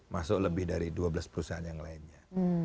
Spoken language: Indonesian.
masuk lebih dari dua belas perusahaan yang lainnya